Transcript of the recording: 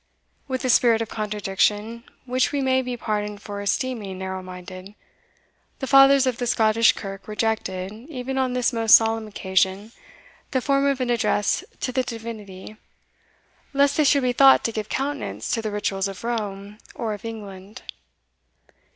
With a spirit of contradiction, which we may be pardoned for esteeming narrow minded, the fathers of the Scottish kirk rejected, even on this most solemn occasion, the form of an address to the Divinity, lest they should be thought to give countenance to the rituals of Rome or of England.